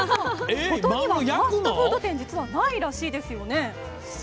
五島にはファストフード店ないらしいですよね。